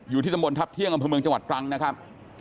อยู่ที่ตำบลทัพเที่ยงอำเภอเมืองจังหวัดตรังนะครับ